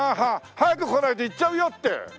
早く来ないと行っちゃうよって！